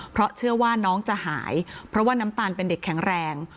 เพราะเชื่อว่าน้องจะหายเพราะว่าน้ำตาลเป็นเด็กแข็งแรง